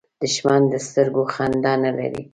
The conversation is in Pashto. دښمن د سترګو خندا نه لري